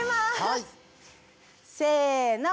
せの！